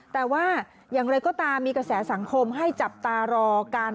แต่ว่าอย่างไรก็ตามมีกระแสสังคมให้จับตารอการ